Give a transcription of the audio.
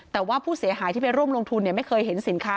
แต่ว่าผู้เสียหายที่ไปร่วมลงทุนไม่เคยเห็นสินค้า